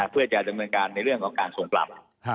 เพื่อจะดำเนินการในเรื่องของการส่งกลับ